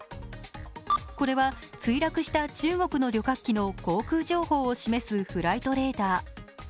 これは墜落した中国の旅客機の航空情報を示すフライトレーダー。